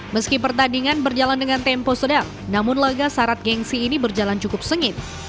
meski pertandingan berjalan dengan tempo sedang namun laga syarat gengsi ini berjalan cukup sengit